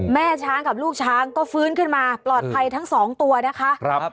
แม่ช้างกับลูกช้างก็ฟื้นขึ้นมาปลอดภัยทั้งสองตัวนะคะ